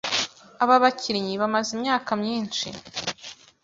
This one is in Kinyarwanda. Aba bakinnyi bamaze imyaka myinshi